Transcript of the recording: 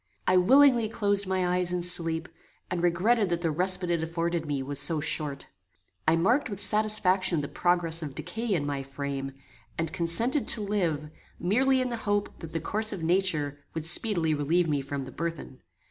I willingly closed my eyes in sleep, and regretted that the respite it afforded me was so short. I marked with satisfaction the progress of decay in my frame, and consented to live, merely in the hope that the course of nature would speedily relieve me from the burthen.